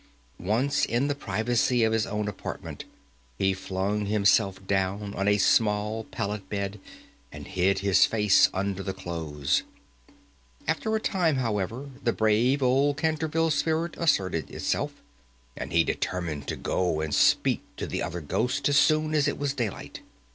Once in the privacy of his own apartment, he flung himself down on a small pallet bed, and hid his face under the clothes. After a time, however, the brave old Canterville spirit asserted itself, and he determined to go and speak to the other ghost as soon as it was daylight.